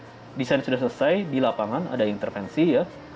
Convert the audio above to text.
jadi itu mungkin ketika desain sudah selesai di lapangan ada intervensi ya